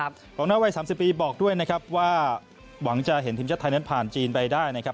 ของหน้าวัย๓๐ปีบอกด้วยนะครับว่าหวังจะเห็นทีมชาติไทยนั้นผ่านจีนไปได้นะครับ